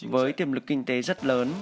với tiềm lực kinh tế rất lớn